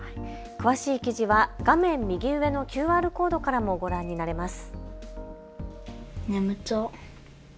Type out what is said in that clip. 詳しい記事は画面右上のＱＲコードからもご覧になれます。